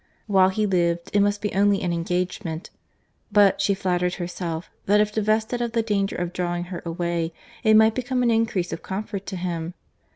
While he lived, it must be only an engagement; but she flattered herself, that if divested of the danger of drawing her away, it might become an increase of comfort to him.